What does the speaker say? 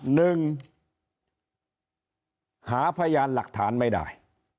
หนึ่งหาพยานหลักฐานไม่ได้